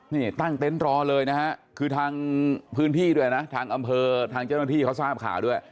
นี่ตั้งเต็นต์รอเลยนะฮะคือทางพื้นที่ด้วยนะทางอำเภอทางเจ้าหน้าที่เขาทราบข่าวด้วย